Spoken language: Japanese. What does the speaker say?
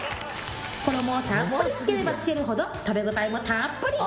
衣をたっぷりつければつけるほど食べ応えもたっぷり！